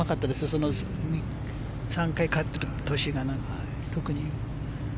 その３回勝ってる年が特に。